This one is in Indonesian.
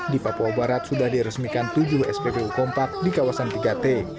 di papua barat sudah diresmikan tujuh spbu kompak di kawasan tiga t